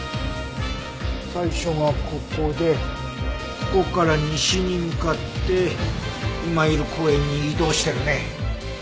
最初がここでここから西に向かって今いる公園に移動してるね。